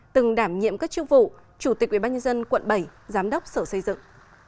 từng đảm nhiệm các chức vụ chủ tịch ủy ban nhân dân tp hcm giám đốc sở xây dựng